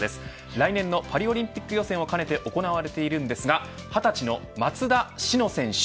来年のパリオリンピック予選を兼ねて行われているんですが２０歳の松田詩野選手